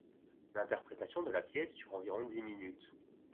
L'interprétation de la pièce dure environ dix minutes.